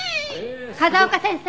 風丘先生。